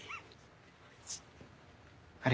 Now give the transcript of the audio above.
あれ？